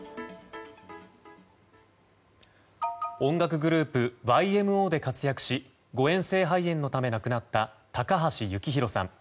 音楽グループＹＭＯで活躍し誤嚥性肺炎のため亡くなった高橋幸宏さん。